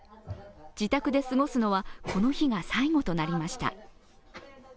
自宅で過ごすのは、この日が最後となりました。